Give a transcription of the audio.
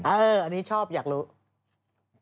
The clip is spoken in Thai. อันนี้ชอบอยากรู้